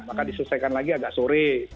maka diselesaikan lagi agak sore